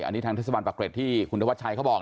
อันนี้ทางเทศบาลปากเกร็ดที่คุณธวัชชัยเขาบอก